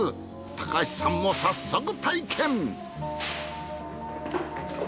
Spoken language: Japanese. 高橋さんも早速体験。